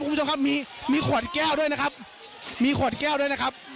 คุณผู้ชมครับมีมีขวดแก้วด้วยนะครับมีขวดแก้วด้วยนะครับ